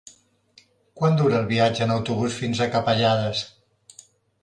Quant dura el viatge en autobús fins a Capellades?